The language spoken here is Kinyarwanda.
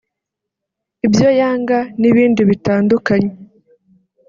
ibyo yanga n’ibindi bitandukanye